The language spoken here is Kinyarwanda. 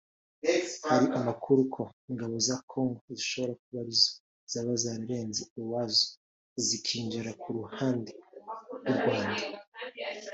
Hari amakuru ko ingabo za Congo zishobora kuba arizo zaba zararenze iwazo zikinjira ku ruhande rw’u Rwanda